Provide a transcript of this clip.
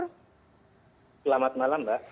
selamat malam mbak